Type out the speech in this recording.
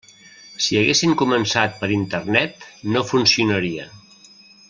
Si haguessin començat per Internet, no funcionaria.